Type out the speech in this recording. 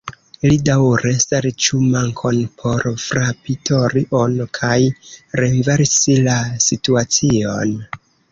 Li daŭre serĉu mankon por frapi "tori"-on, kaj renversi la situacion.